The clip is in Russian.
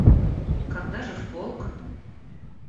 Когда же в полк?